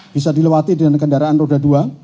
bisa dilewati dengan kendaraan roda dua